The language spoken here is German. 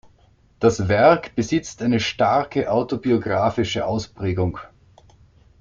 Das Werk besitzt eine starke autobiographische Ausprägung.